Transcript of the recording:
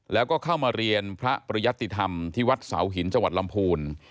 แล้วก็เข้ามาเรียนพระประยัตติธรรมที่วัดเสาหินจังหวัดลำพูน